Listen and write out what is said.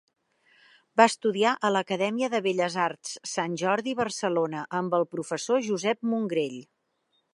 Va estudiar a l'Acadèmia de Belles Arts Sant Jordi Barcelona amb el professor Josep Mongrell.